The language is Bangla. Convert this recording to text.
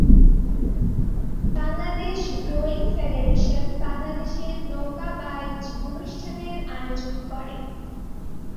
বাংলাদেশ রোয়িং ফেডারেশন বাংলাদেশে নৌকা বাইচ অনুষ্ঠানের আয়োজন করে।